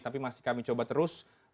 tapi masih kami coba terus